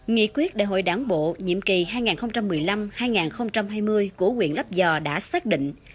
nghị quyết đại hội đáng bộ nhiệm kỳ hai nghìn một mươi năm hai nghìn hai mươi của huyện lấp vò đã xác định